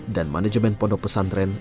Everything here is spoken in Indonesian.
dan manajemen pondok pesantren